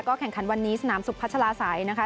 ก็แข่งขันวันนี้สนามศุกร์พัชราสัยนะคะ